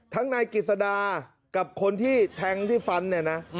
นายกิจสดากับคนที่แทงที่ฟันเนี่ยนะ